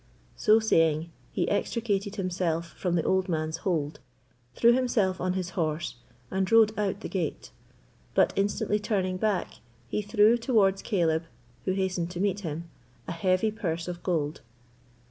So saying, he extricated himself from the old man's hold, threw himself on his horse, and rode out the gate; but instantly turning back, he threw towards Caleb, who hastened to meet him, a heavy purse of gold.